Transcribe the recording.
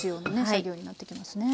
作業になっていきますね。